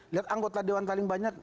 lihat anggota dewan paling banyak